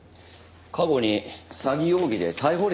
過去に詐欺容疑で逮捕歴がありました。